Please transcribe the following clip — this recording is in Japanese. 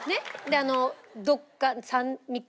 であのどこか。